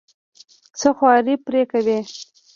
څه خواري پرې کوې.